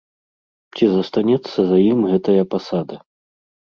Ці застанецца за ім гэтая пасада?